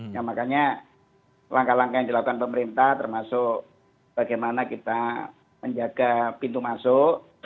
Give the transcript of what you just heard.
ya makanya langkah langkah yang dilakukan pemerintah termasuk bagaimana kita menjaga pintu masuk